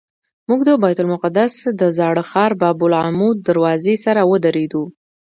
موږ د بیت المقدس د زاړه ښار باب العمود دروازې سره ودرېدو.